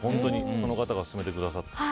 この方が進めてくださって。